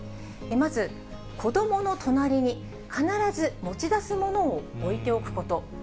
まず、子どもの隣に必ず持ち出すものを置いておくこと。